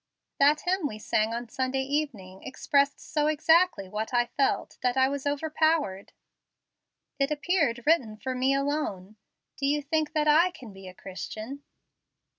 That hymn we sang on Sunday evening expressed so exactly what I felt that I was overpowered. It appeared written for me alone. Do you think that I can be a Christian?"